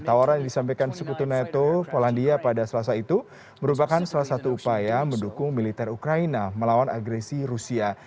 tawaran yang disampaikan sekutu nato polandia pada selasa itu merupakan salah satu upaya mendukung militer ukraina melawan agresi rusia